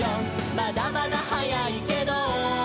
「まだまだ早いけど」